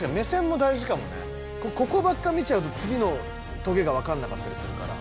ここばっか見ちゃうとつぎのトゲがわかんなかったりするから。